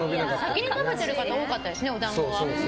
先に食べてる方多かったですねおだんごは。